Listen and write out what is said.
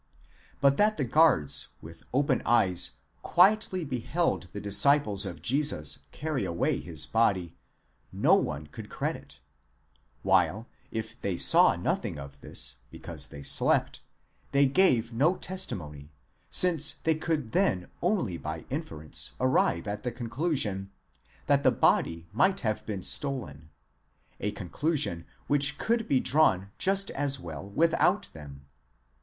But that the guards with open eyes quietly beheld the disciples of Jesus carry away his body, no one could credit : while, if they saw nothing of this, because they slept, they gave no testimony, since they could then only by inference arrive at the conclusion, that the body might have been stolen: a conclusion which could be drawn just as well without them.